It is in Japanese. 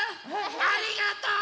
ありがとう！